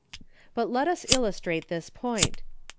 But let us illustrate this point.